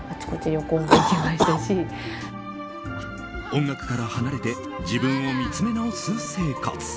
音楽から離れて自分を見つめ直す生活。